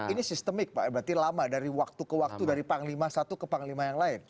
ini sistemik pak berarti lama dari waktu ke waktu dari panglima satu ke panglima yang lain